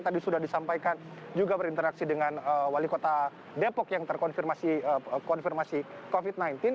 tadi sudah disampaikan juga berinteraksi dengan wali kota depok yang terkonfirmasi covid sembilan belas